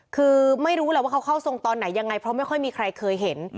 คือไม่รู้แหละว่าเขาเข้าทรงตอนไหนยังไงเพราะไม่ค่อยมีใครเคยเห็น